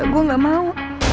gue gak mau